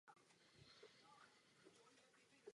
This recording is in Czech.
Pro snížení nákladů byly použity prvky již existujících raket.